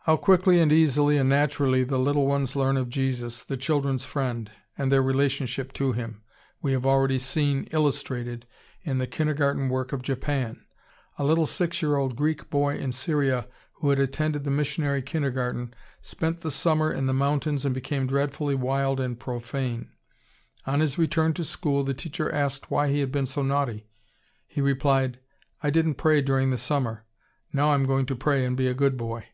] How quickly and easily and naturally the little ones learn of Jesus, the children's Friend, and their relation to Him, we have already seen illustrated in the kindergarten work of Japan. A little six year old Greek boy in Syria, who had attended the missionary kindergarten, spent the summer in the mountains and became dreadfully wild and profane. On his return to school the teacher asked why he had been so naughty. He replied, "I didn't pray during the summer. Now I'm going to pray and be a good boy."